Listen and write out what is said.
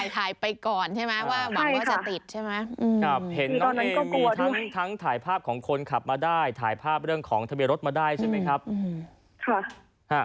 ทั้งทั้งถ่ายภาพของคนขับมาได้ถ่ายภาพเรื่องของทะเบียรถมาได้ใช่ไหมครับอืมค่ะอ่า